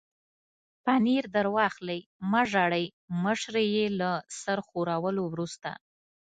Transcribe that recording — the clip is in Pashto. پنیر در واخلئ، مه ژاړئ، مشرې یې له سر ښورولو وروسته.